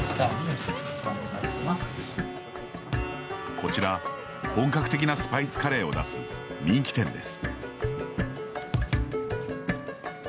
こちら、本格的なスパイスカレーを出す人気店です。